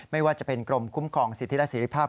ไม่ว่าจะเป็นกรมคุ้มครองสิทธิและสิริภาพ